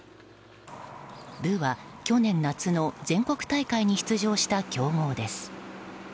部は去年夏の全国大会に出場した強豪です。